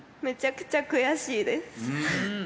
めちゃくちゃ悔しいです。